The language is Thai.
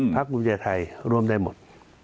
ภูมิใจไทยร่วมได้หมด